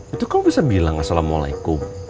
itu kau bisa bilang assalamualaikum